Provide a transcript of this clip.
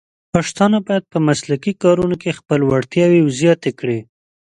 پښتانه بايد په مسلکي کارونو کې خپلې وړتیاوې زیاتې کړي.